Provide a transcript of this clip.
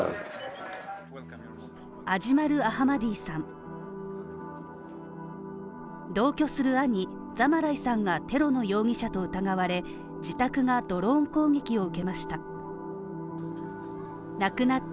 アジマル・アハマディさん同居する兄ザマライさんがテロの容疑者と疑われ、自宅がドローン攻撃を受けました